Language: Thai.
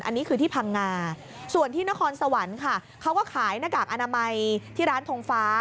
อันนี้คือที่พังงาส่วนที่นครสวรรค์ค่ะเขาก็ขายหน้ากากอนามัยที่ร้านทงฟ้า